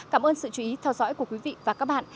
cảm ơn sự chú ý theo dõi của quý vị và các bạn